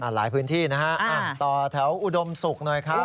หลายพื้นที่นะฮะต่อแถวอุดมศุกร์หน่อยครับ